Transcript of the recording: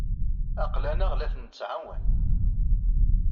Aql-aneɣ la ten-nettɛawan.